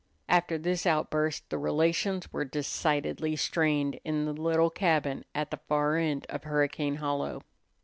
After this outburst the relations were decidedly strained in the little cabin at the far end of Hurricane Hollow.